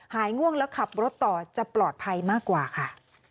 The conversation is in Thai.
ง่วงแล้วขับรถต่อจะปลอดภัยมากกว่าค่ะ